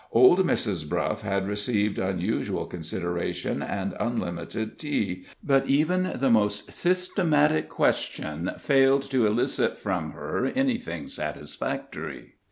Old Mrs. Bruff had received unusual consideration and unlimited tea, but even the most systematic question failed to elicit from her anything satisfactory.